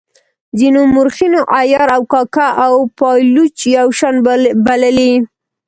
ځینو مورخینو عیار او کاکه او پایلوچ یو شان بللي.